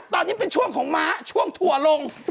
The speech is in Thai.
ตอนนี้เป็นช่วงของม้าช่วงถั่วลง